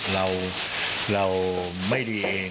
เราไม่ดีเอง